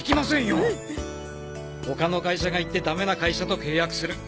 他の会社が行ってダメな会社と契約する。